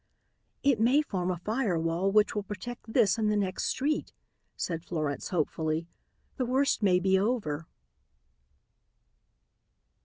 "It may form a fire wall which will protect this and the next street," said Florence hopefully. "The worst may be over."